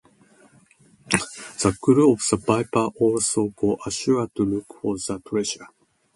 The crew of the "Viper" also go ashore to look for the treasure.